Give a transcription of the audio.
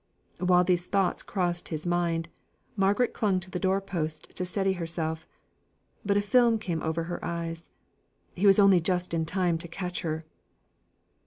While these thoughts crossed his mind, Margaret clung to the doorpost to steady herself: but a film came over her eyes he was only just in time to catch her.